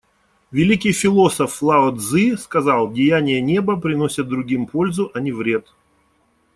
Великий философ Лао Цзы сказал: «Деяния Неба приносят другим пользу, а не вред.